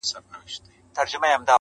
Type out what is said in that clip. o له خالي لوښي لوی اواز راوزي.